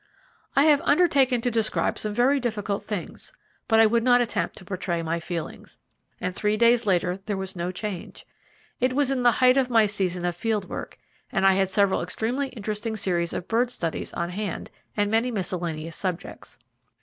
I have undertaken to describe some very difficult things, but I would not attempt to portray my feelings, and three days later there was no change. It was in the height of my season of field work, and I had several extremely interesting series of bird studies on hand, and many miscellaneous subjects.